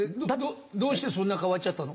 どうしてそんな変わっちゃったの？